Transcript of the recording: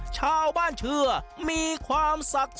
ชาวบ้านเชื้อมีความสักสิทธิ์